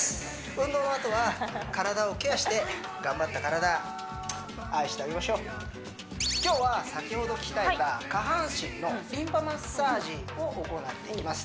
運動のあとは体をケアして頑張った体愛してあげましょう今日は先ほど鍛えた下半身のリンパマッサージを行っていきます